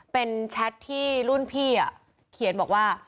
เป็นแชทที่รุ่นพี่เขียนบอกว่า